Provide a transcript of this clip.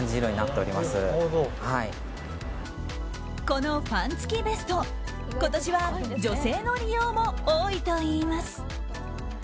このファン付きベスト今年は女性の利用も多いといいます。